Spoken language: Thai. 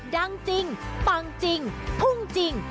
ดังจริงปังจริงพุ่งจริง